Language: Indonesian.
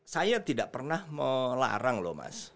saya tidak pernah melarang loh mas